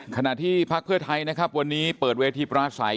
ขณะที่ภาคเพื่อไทยวันนี้เปิดเวทีประสัย